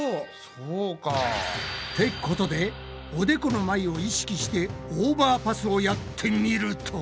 そうか。ってことでおでこの前を意識してオーバーパスをやってみると。